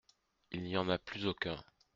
Il n’y en a plus aucun.